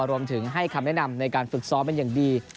รวมถึงให้คำแนะนำในการฝึกซ้อมเป็นอย่างดี